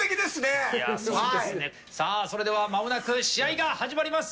それではまもなく試合が始まります！